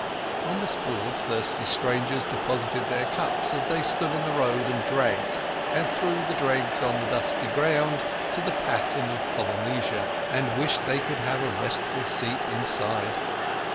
On this board thirsty strangers deposited their cups as they stood in the road and drank, and threw the dregs on the dusty ground to the pattern of Polynesia, and wished they could have a restful seat inside.